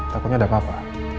takutnya ada papa